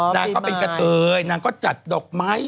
นางก็เป็นกะเทยนางก็จัดดอกไม้